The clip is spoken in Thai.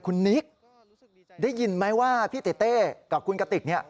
คุณนิกได้ยินไหมว่าพี่เต้กับคุณกะติก